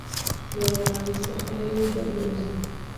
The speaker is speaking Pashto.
له رڼایي څخه یې بدې راځي.